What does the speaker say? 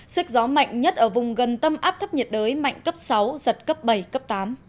sức gió mạnh nhất ở vùng gần tâm áp thấp nhiệt đới mạnh cấp sáu giật cấp bảy cấp tám